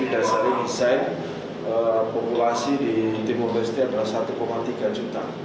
di dasar desain populasi di timur leste adalah satu tiga juta